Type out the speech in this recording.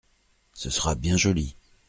Ce sera bien joli !